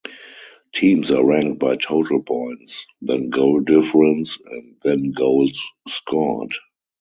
Teams are ranked by total points, then goal difference and then goals scored.